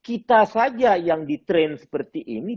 ada saja yang di train seperti ini